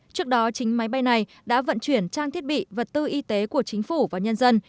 trước đó chính máy bay này đã vận chuyển trang thiết bị vật tư y tế của chính phủ và nhân dân